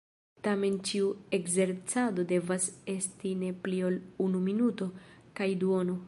Tamen ĉiu ekzercado devas esti ne pli ol unu minuto kaj duono.